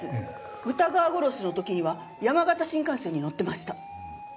宇田川殺しの時には山形新幹線に乗ってました。